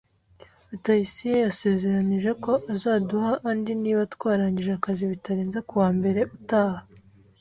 Rutayisire yasezeranije ko azaduha andi niba twarangije akazi bitarenze kuwa mbere utaha.